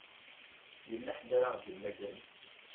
Yella ḥedd ara ɣ-d-imagren?